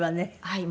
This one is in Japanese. はい。